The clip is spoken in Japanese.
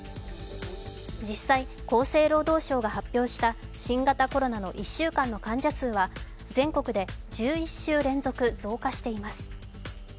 実際、厚生労働省が発表した新型コロナの１週間の患者数は全国で１１週連続増加しています。